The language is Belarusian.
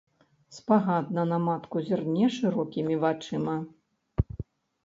Спагадна на матку зірне шырокімі вачыма.